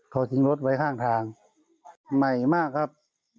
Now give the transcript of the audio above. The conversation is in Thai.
เขาทิ้งรถไว้ข้างทางใหม่มากครับ